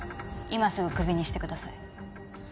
今すぐクビにしてください。